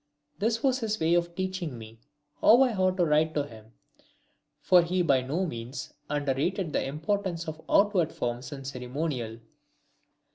This was his way of teaching me how I ought to write to him; for he by no means underrated the importance of outward forms and ceremonial.